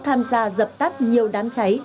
tham gia dập tắt nhiều đám cháy